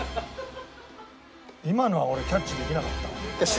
今のは俺キャッチできなかった。